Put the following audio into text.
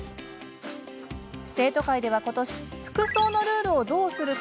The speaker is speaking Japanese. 生徒会では、ことし服装のルールをどうするか